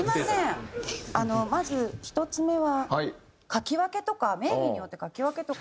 まず１つ目は書き分けとか名義によって書き分けとか。